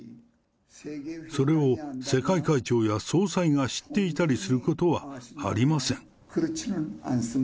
それを世界会長や総裁が知っていたりすることはありません。